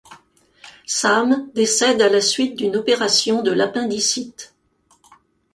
Sahm décède à la suite d'une opération de l'appendicite.